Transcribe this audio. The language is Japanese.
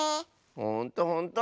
ほんとほんと！